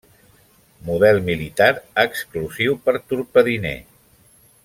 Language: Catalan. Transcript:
Model militar exclusiu per torpediner.